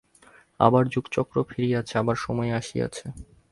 আবার যুগচক্র ফিরিয়াছে, আবার সময় আসিয়াছে।